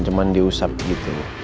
cuma diusap gitu